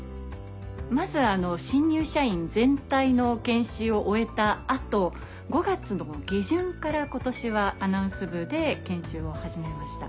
まず新入社員全体の研修を終えた後５月の下旬から今年はアナウンス部で研修を始めました。